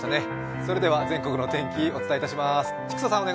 それでは全国のお天気、お伝えいたします。